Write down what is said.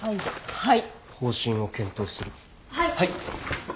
はい。